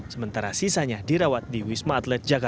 sementara sisanya dirawat di wisma atlet jakarta